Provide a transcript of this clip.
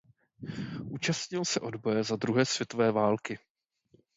Účastnil se odboje za druhé světové války.